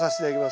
お。